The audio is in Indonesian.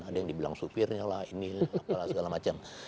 ada yang dibilang supirnya lah ini apalah segala macam